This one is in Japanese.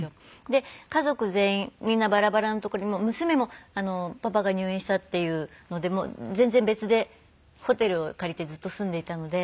で家族全員みんなバラバラの所に娘もパパが入院したっていうので全然別でホテルを借りてずっと住んでいたので。